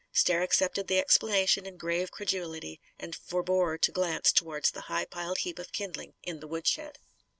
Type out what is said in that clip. Stair accepted the explanation in grave credulity and forebore to glance towards the high piled heap of kindling in the woodshed.